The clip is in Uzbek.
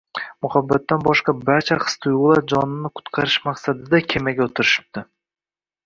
Muhabbatdan boshqa barcha his-tuyg`ular jonini qutqarish maqsadida kemaga o`tirishibdi